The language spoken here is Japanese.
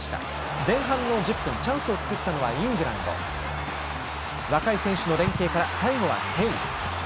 前半１０分チャンスを作ったのはイングランド若い選手の連係から最後は、ケイン。